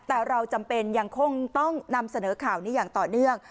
แต่เราจำเป็นยังคงต้องนำเสนอข่าวนี้อย่างต่อเนื่อง